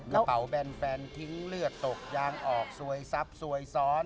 กระเป๋าแบนแฟนทิ้งเลือดตกยางออกซวยซับซวยซ้อน